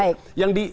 oke baik nah ini jadi